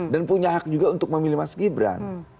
dan punya hak juga untuk memilih mas gibran